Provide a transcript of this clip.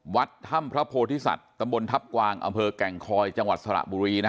วัดถ้ำพระโพธิสัตว์ตำบลทัพกวางอำเภอแก่งคอยจังหวัดสระบุรี